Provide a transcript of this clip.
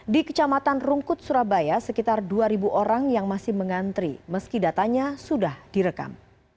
di kecamatan rungkut surabaya sekitar dua orang yang masih mengantri meski datanya sudah direkam